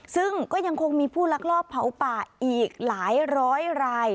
ซึ่งก็ยังคงมีผู้ลักลอบเผาป่าอีกหลายร้อยราย